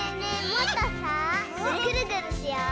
もっとさぐるぐるしよう。